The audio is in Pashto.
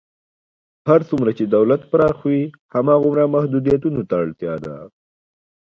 هر څومره چې دولت پراخ وي، هماغومره محدودیتونو ته اړتیا ده.